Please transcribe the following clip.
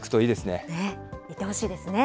いってほしいですね。